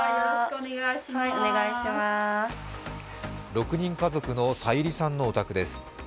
６人家族のさゆりさんのお宅です。